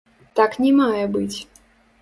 Так не мае быць.